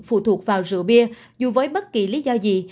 phụ thuộc vào rượu bia dù với bất kỳ lý do gì